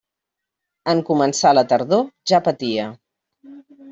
En començar la tardor ja patia.